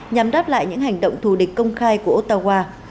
nhằm đáp lại những hành động thù địch công khai của ottawa